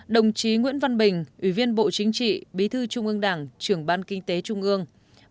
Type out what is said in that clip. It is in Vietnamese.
đồng chí nguyễn văn bình ủy viên bộ chính trị bí thư trung ương đảng trưởng ban kinh tế trung ương